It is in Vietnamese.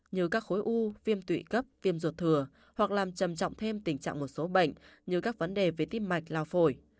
như các khối u viêm tụy cấp viêm ruột thừa hoặc làm trầm trọng thêm tình trạng một số bệnh như các vấn đề về tim mạch lao phổi